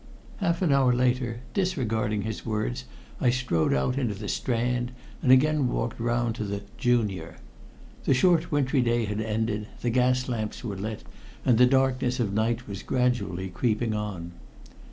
Half an hour later, disregarding his words, I strode out into the Strand, and again walked round to the "Junior." The short wintry day had ended, the gas lamps were lit, and the darkness of night was gradually creeping on.